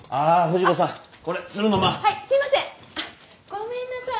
ごめんなさい。